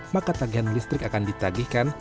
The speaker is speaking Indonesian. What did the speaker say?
maka tagihan listrik akan ditagihkan